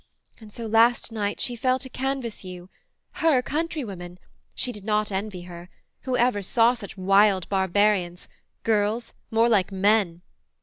And so last night she fell to canvass you: Her countrywomen! she did not envy her. "Who ever saw such wild barbarians? Girls? more like men!"